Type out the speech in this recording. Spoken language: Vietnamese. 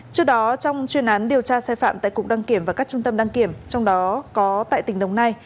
trước đó trong chuyên án điều tra sai phạm tại cục đăng kiểm và các trung tâm đăng kiểm trong đó có tại tỉnh đồng nai